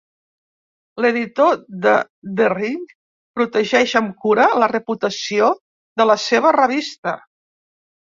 L'editor de "The Ring" protegeix amb cura la reputació de la seva revista.